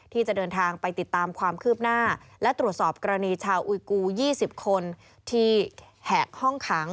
ที่จะเดินทางไปติดตามความคืบหน้าและตรวจสอบกรณีชาวอุยกู๒๐คนที่แหกห้องขัง